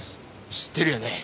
知ってるよね？